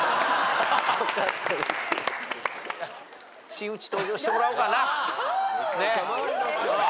真打ち登場してもらおうかな。